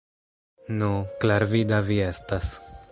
Nu, klarvida vi estas!